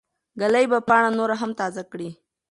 ږلۍ به پاڼه نوره هم تازه کړي.